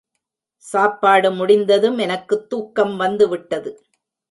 சாப்பாடு முடிந்ததும் எனக்குத் தூக்கம் வந்துவிட்டது.